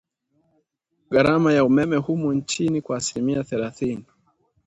GHARAMA YA UMEME HUMU NCHINI KWA ASILIMIA THELATHINI